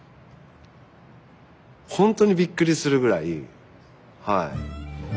ほんとにびっくりするぐらいはい。